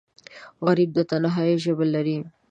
غریب د تنهایۍ ژبه لري